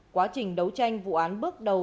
quá trình đấu tranh vụ án bước đầu